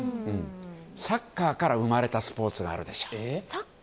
サッカーから生まれたスポーツがあるでしょう。